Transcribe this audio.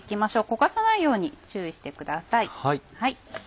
焦がさないように注意してください。